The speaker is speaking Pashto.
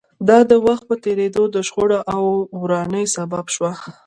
دا د وخت په تېرېدو د شخړو او ورانۍ سبب شوه